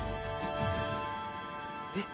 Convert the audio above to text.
えっ？